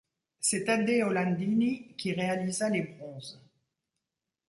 C'est Taddeo Landini qui réalisa les bronzes.